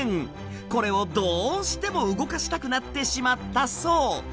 これをどうしても動かしたくなってしまったそう。